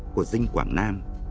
của dinh quảng nam